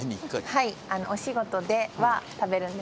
はい。